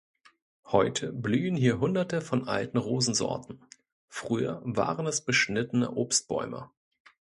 Heute blühen hier hunderte von alten Rosensorten, früher waren es beschnittene Obstbäume.